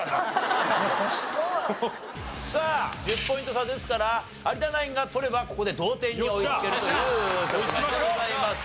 さあ１０ポイント差ですから有田ナインが取ればここで同点に追いつけるという局面でございます。